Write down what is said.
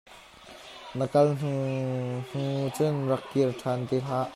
Na kal hnuhnu cun rak kir ṭhan ti hlah.